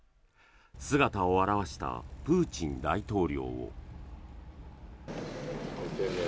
姿を現したプーチン大統領を。